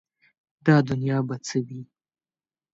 دا دنیا به څه وي ؟